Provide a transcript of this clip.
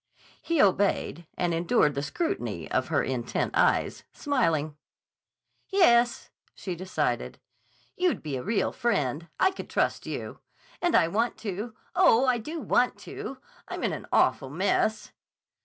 He obeyed, and endured the scrutiny of her intent eyes, smiling. "Yes," she decided. "You'd be a real friend. I could trust you. And I want to. Oh, I do want to. I'm in an awful mess."